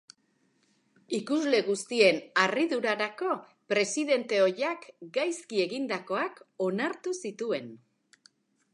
Ikusle guztien harridurarako, presidente ohiak gaizki egindakoak onartu zituen.